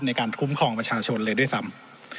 ในการคุ้มครองประชาชนเลยด้วยซ้ำ